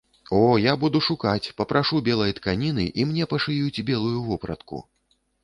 О, я буду шукаць, папрашу белай тканіны, і мне пашыюць белую вопратку.